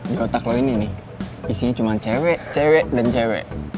di otak lo ini nih isinya cuma cewe cewe dan cewe